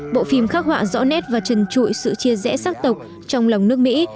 bộ phim khắc họa rõ nét và trần trụi sự chia rẽ sắc tộc trong lòng nước mỹ